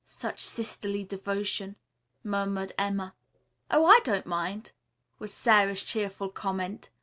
"Such sisterly devotion," murmured Emma. "Oh, I don't mind," was Sara's cheerful comment.